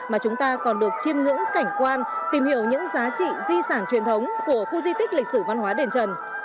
mà chúng ta còn được chiêm ngưỡng cảnh quan tìm hiểu những giá trị di sản truyền thống của khu di tích lịch sử văn hóa đền trần